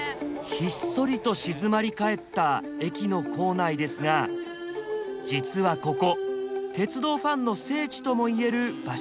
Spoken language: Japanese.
ひっそりと静まり返った駅の構内ですが実はここ鉄道ファンの聖地ともいえる場所なんです。